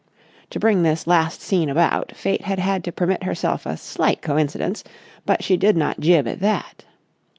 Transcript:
To bring this last scene about, Fate had had to permit herself a slight coincidence, but she did not jib at that.